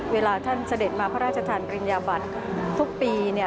เวลาท่านเสด็จมาพระราชทานปริญญาบัตรทุกปี